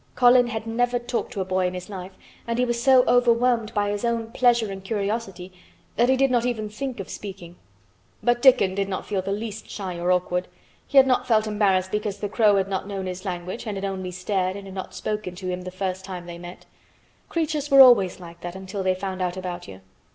Colin had never talked to a boy in his life and he was so overwhelmed by his own pleasure and curiosity that he did not even think of speaking. But Dickon did not feel the least shy or awkward. He had not felt embarrassed because the crow had not known his language and had only stared and had not spoken to him the first time they met. Creatures were always like that until they found out about you.